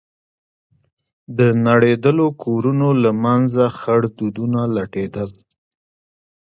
د نړېدلو كورونو له منځه خړ دودونه لټېدل.